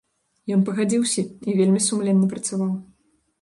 Ён пагадзіўся і вельмі сумленна працаваў.